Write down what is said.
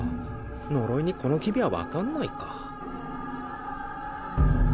呪いにこの機微は分かんないか。